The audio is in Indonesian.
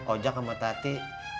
ojak sama tati